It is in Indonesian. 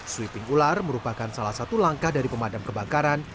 sweeping ular merupakan salah satu langkah dari pemadam kebakaran